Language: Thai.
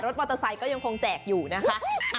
มอเตอร์ไซค์ก็ยังคงแจกอยู่นะคะ